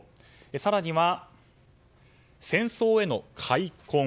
更には、戦争への悔恨。